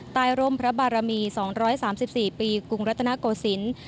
ร่มพระบารมี๒๓๔ปีกรุงรัตนโกศิลป์